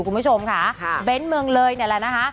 คุณผู้ชมค่ะเบ้นเมืองเลยเนี่ยแหละนะคะ